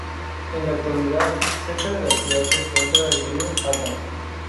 En la actualidad cerca de la ciudad se encuentra el río Adda.